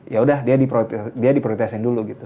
yaudah dia diprioritasiin dulu gitu